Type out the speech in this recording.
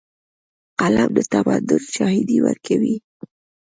قلم د تمدن شاهدي ورکوي.